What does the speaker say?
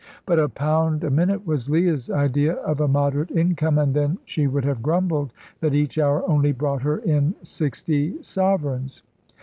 But a pound a minute was Leah's idea of a moderate income, and then she would have grumbled that each hour only brought her in sixty sovereigns.